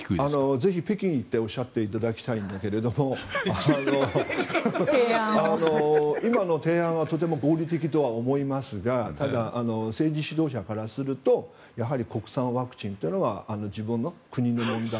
ぜひ北京に行っておっしゃっていただきたいんだけど今の提案はとても合理的とは思いますがただ、政治指導者からすると国産ワクチンというのは自分の国の問題。